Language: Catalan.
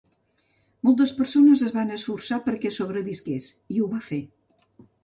Moltes persones es van esforçar perquè sobrevisqués i ho va fer.